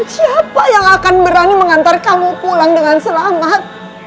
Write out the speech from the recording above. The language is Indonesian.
siapa yang akan berani mengantar kamu pulang dengan selamat